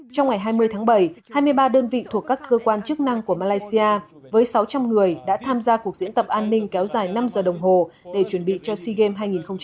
trong ngày hai mươi tháng bảy hai mươi ba đơn vị thuộc các cơ quan chức năng của malaysia với sáu trăm linh người đã tham gia cuộc diễn tập an ninh kéo dài năm giờ đồng hồ để chuẩn bị cho sea games hai nghìn hai mươi